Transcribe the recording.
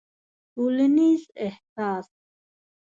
ټولنيز احساس